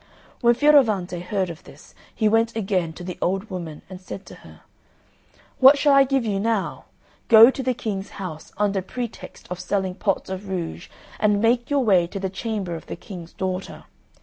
When Fioravante heard of this he went again to the old woman and said to her, "What shall I give you now? Go to the King's house, under pretext of selling pots of rouge, and make your way to the chamber of the King's daughter.